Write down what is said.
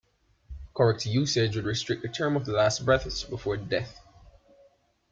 Correct usage would restrict the term to the last breaths before death.